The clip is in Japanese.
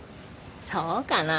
そうかな？